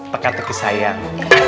tekan teki sayang